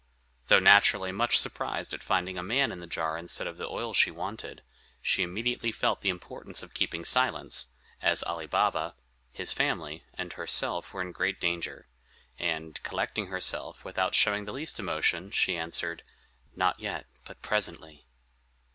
Though naturally much surprised at finding a man in the jar instead of the oil she wanted, she immediately felt the importance of keeping silence, as Ali Baba, his family, and herself were in great danger; and, collecting herself, without showing the least emotion, she answered, "Not yet, but presently."